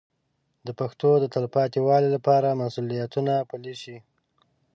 د پښتو د تلپاتې والي لپاره مسوولیتونه پلي شي.